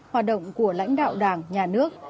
hoạt động của lãnh đạo đảng nhà nước